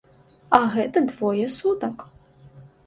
А гэта двое сутак!